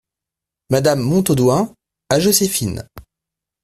Madame Montaudoin , à Joséphine.